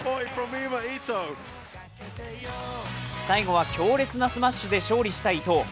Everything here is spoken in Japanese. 最後は強烈なスマッシュで勝利した伊藤。